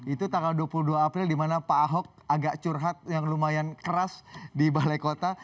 itu tanggal dua puluh dua april di mana pak ahok agak curhat yang lumayan keras di balai kota